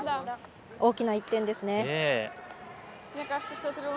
大きな１点ですね。